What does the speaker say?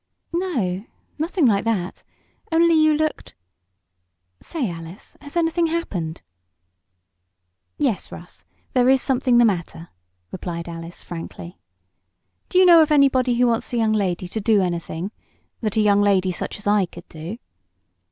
"No nothing like that; only you looked say, Alice, has anything happened?" "Yes, Russ, there is something the matter," replied Alice, frankly. "Do you know of anybody who wants a young lady to do anything that a young lady, such as I, could do?"